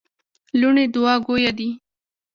لوڼي دوعا ګویه دي.